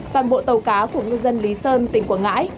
toàn bộ tàu cá của ngư dân lý sơn tỉnh quảng ngãi